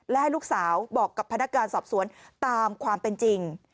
และให้ลูกสาวบอกกับพนักงานสอบสวนตามความเป็นจริง